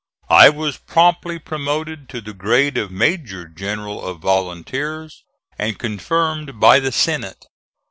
I was promptly promoted to the grade of Major General of Volunteers, and confirmed by the Senate.